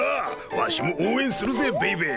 わしも応援するぜベイベー。